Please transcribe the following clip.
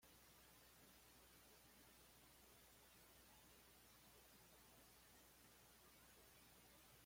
En Asturias su nombre ha quedado reflejado en la toponimia local.